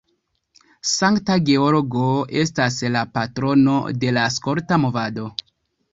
Sankta Georgo estas la patrono de la skolta movado.